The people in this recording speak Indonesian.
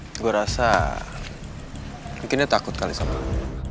gue rasa mungkin dia takut kali sama kamu